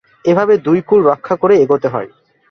এভাবে দুই কূল রক্ষা করেই এগোতে হয়।